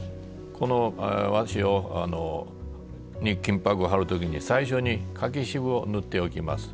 この和紙に金箔を貼る時に最初に柿渋を塗っておきます。